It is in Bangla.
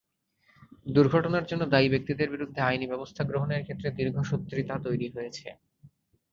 দুর্ঘটনার জন্য দায়ী ব্যক্তিদের বিরুদ্ধে আইনি ব্যবস্থা গ্রহণের ক্ষেত্রে দীর্ঘসূত্রতা তৈরি হয়েছে।